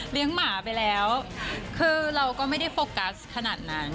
หมาไปแล้วคือเราก็ไม่ได้โฟกัสขนาดนั้น